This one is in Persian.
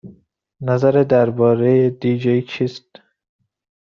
نظرت درباره دی جی چیست؟